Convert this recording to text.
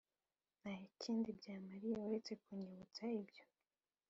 nta kindi byamariye uretse kunyibutsa ibyo